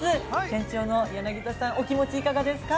店長の柳田さん、お気持ちいかがですか。